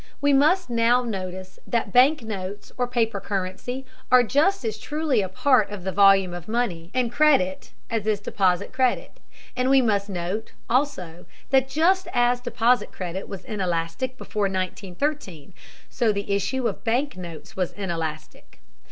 We must now notice that bank notes, or paper currency, are just as truly a part of the volume of money and credit as is deposit credit, and we must note, also, that just as deposit credit was inelastic before 1913, so the issue of bank notes was inelastic.